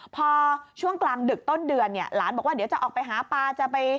พอช่วงกลางดึกต้นเดือนเนี่ยหลานบอกว่าเดี๋ยวจะออกไปหาปลาจะไป